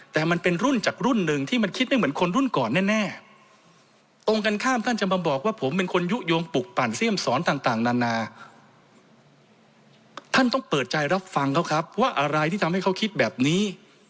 ต้องเปิดใจรับฟังเขาครับว่าอะไรที่ทำให้เขาคิดแบบนี้